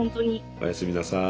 おやすみなさい。